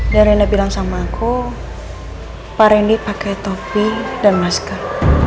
dan rina bilang sama aku pak randy pakai topi dan masker